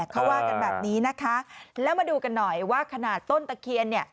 เขาว่ากันแบบนี้นะคะแล้วมาดูกันหน่อยว่าขนาดต้นตะเคียนเนี่ย